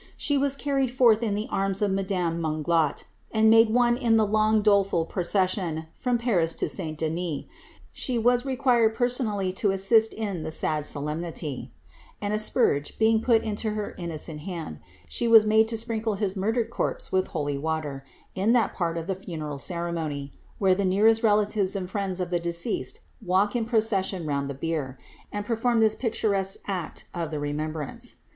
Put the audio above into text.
She was carried forth in the arms of madamc de Monglat, and made one in the long, doleful procession from Paris to St. Denis. She was required personally to assist in the sad so lemniiy. An asperge being put into her innocent hand, she was made 'Life of Heiiriotra Maria^ 1071. *Menioires de Sully. 'L'E\ov\c. S bxubixtta maria* to «priDkl6 hit nmrdered corpse with holy water,* in that part of the funeral ceremony, where the nearest relatires and friends of the deceased walk in procession round the bier, and perform this picturesque act of remembrance.